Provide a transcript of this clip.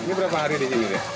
ini berapa hari di sini